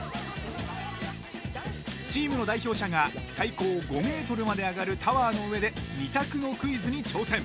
チームの代表者が最高５ｍまで上がるタワーの上で２択のクイズに挑戦。